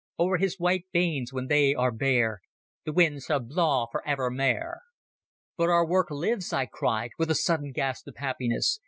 Ower his white banes, when they are bare, The wind sall blaw for evermair." "But our work lives," I cried, with a sudden great gasp of happiness.